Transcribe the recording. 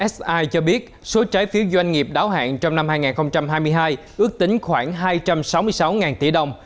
si cho biết số trái phiếu doanh nghiệp đáo hạn trong năm hai nghìn hai mươi hai ước tính khoảng hai trăm sáu mươi sáu tỷ đồng